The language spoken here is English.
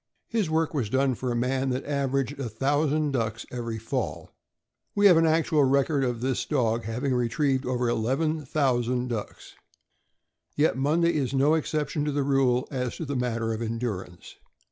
His work was done for a man that aver aged a thousand ducks every fall. We have an actual record of this dog having retrieved over eleven thousand ducks. Yet Monday is no exception to the rule as to the matter of endurance.